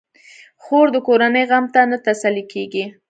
خور د کورنۍ غم ته نه تسلېږي.